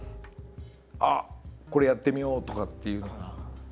あっこれやってみようとかっていうのが。